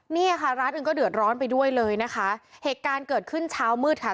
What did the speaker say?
เนี่ยค่ะร้านอื่นก็เดือดร้อนไปด้วยเลยนะคะเหตุการณ์เกิดขึ้นเช้ามืดค่ะ